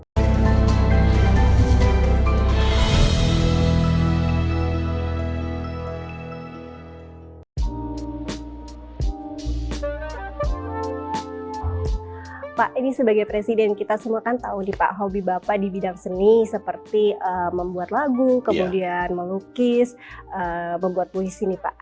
bapak ini sebagai presiden kita semua kan tahu nih pak hobi bapak di bidang seni seperti membuat lagu kemudian melukis membuat puisi nih pak